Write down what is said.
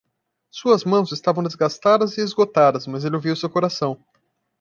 Suas mãos estavam desgastadas e esgotadas, mas ele ouviu seu coração.